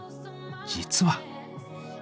実は。